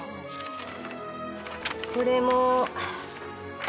これも。